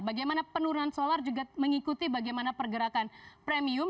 bagaimana penurunan solar juga mengikuti bagaimana pergerakan premium